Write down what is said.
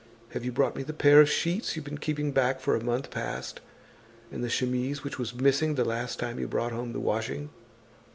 Have you brought me the pair of sheets you've been keeping back for a month past, and the chemise which was missing the last time you brought home the washing?"